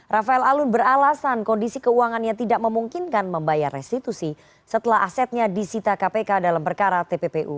rafael alun beralasan kondisi keuangannya tidak memungkinkan membayar restitusi setelah asetnya disita kpk dalam perkara tppu